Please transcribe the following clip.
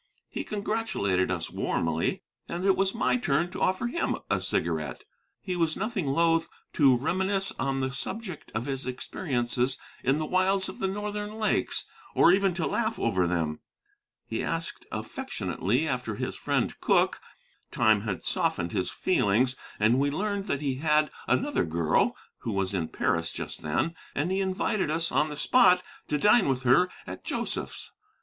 He congratulated us warmly, and it was my turn to offer him a cigarette. He was nothing loath to reminisce on the subject of his experiences in the wilds of the northern lakes, or even to laugh over them. He asked affectionately after his friend Cooke. Time had softened his feelings, and we learned that he had another girl, who was in Paris just then, and invited us on the spot to dine with her at "Joseph's."